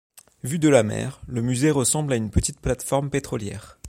Vu de la mer, le musée ressemble à une petite plate-forme pétrolière.